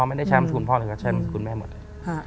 ไม่ได้ใช้น้ำสกุลพ่อเลยแต่ใช้น้ำสกุลแม่หมดเลย